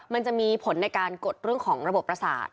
มันจะมีผลในการกดเรื่องของระบบประสาท